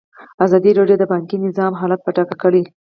ازادي راډیو د بانکي نظام حالت په ډاګه کړی.